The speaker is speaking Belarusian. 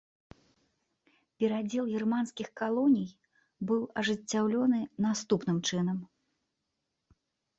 Перадзел германскіх калоній быў ажыццёўлены наступным чынам.